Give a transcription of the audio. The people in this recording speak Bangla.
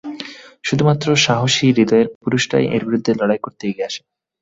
শুধুমাত্র সাহসী হৃদয়ের পুরুষরাই এর বিরুদ্ধে লড়াই করতে এগিয়ে আসে।